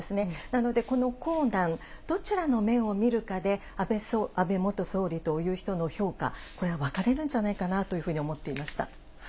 なので、この硬軟、どちらの面を見るかで、安倍元総理という人の評価、これは分かれるんじゃないかなと思っていました。